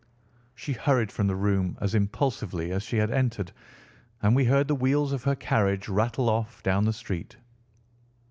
She hurried from the room as impulsively as she had entered, and we heard the wheels of her carriage rattle off down the street.